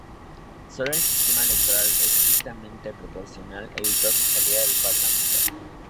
Solo el sistema electoral estrictamente proporcional evitó su salida del parlamento.